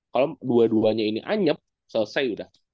kalau dua duanya ini anyap selesai udah